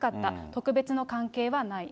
特別の関係はない。